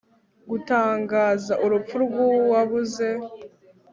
gutangaza urupfu rw uwabuze